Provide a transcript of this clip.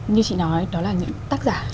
như chị nói đó là những tác giả